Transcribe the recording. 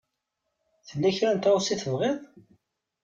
Tella kra n tɣawsa i tebɣiḍ?